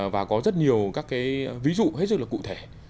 và có rất nhiều các cái ví dụ hết sức là cụ thể